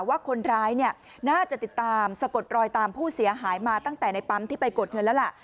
ว่าคนร้ายเนี่ยน่าจะติดตามสะกดรอยตามผู้เสียหายมาตั้งแต่ในปั๊มที่ไปกดเงินแล้วล่ะ